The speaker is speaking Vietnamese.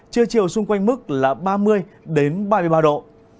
trưa chiều xung quanh mức là ba mươi đến ba mươi ba độ